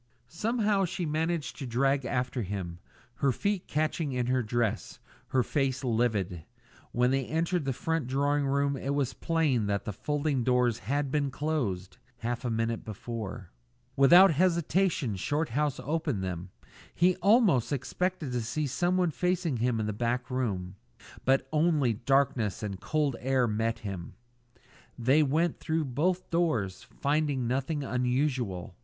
Somehow she managed to drag after him, her feet catching in her dress, her face livid. When they entered the front drawing room it was plain that the folding doors had been closed half a minute before. Without hesitation Shorthouse opened them. He almost expected to see someone facing him in the back room; but only darkness and cold air met him. They went through both rooms, finding nothing unusual.